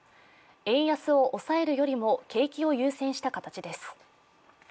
円安を抑えるよりも景気を優先した形です。